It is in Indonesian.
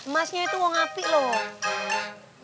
masnya itu uang api loh